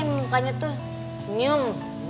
mukanya tuh senyum